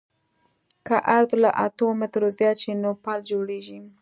که عرض له اتو مترو زیات شي نو پل جوړیږي